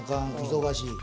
忙しい。